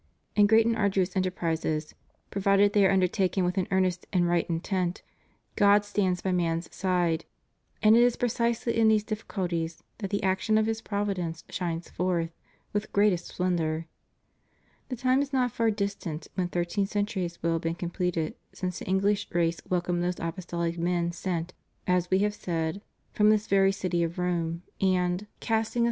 In great and arduous enterprises, provided they are un dertaken with an earnest and right intent, God stands by man's side, and it is precisely in these difficulties that the action of His providence shines forth with greatest splendor. The time is not far distant when thirteen centuries will have been completed since the English race welcomed those apostolic men sent, as We have said, from this very city of Rome, and, casting aside the » Eoh. iv. 13. » lb. 3 5. » Heb, xii. 2.